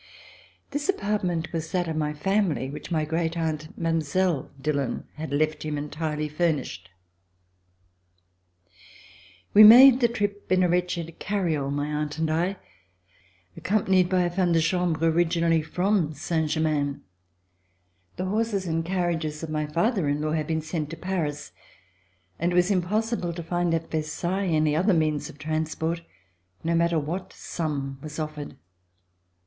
This apartment was that of my family, which my great aunt. Mile. Dillon, had left him entirely furnished. VERSAILLES INVADED BY THE MOB We made the trip in a wretched cariole, my aunt and I, accompanied by a femme de chambre, origi nally from Saint Germain. The horses and carriages of my father in law had been sent to Paris, and it was impossible to find at Versailles any other means of transport, no matter what sum was offered.